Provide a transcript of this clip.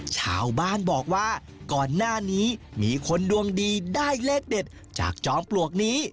ชาวบ้านบอกว่าก่อนหน้านี้มีคนดวงดีได้เลขเด็ดจากจอมปลวกนี้